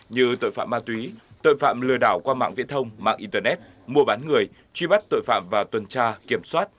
như tội phạm ma túy tội phạm lừa đảo qua mạng viễn thông mạng internet mua bán người truy bắt tội phạm và tuần tra kiểm soát